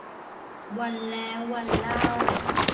วันแล้ววันเล่า